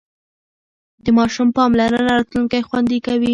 د ماشوم پاملرنه راتلونکی خوندي کوي.